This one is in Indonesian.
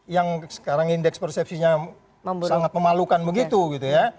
yang sekarang indeks persepsinya sangat memalukan begitu gitu ya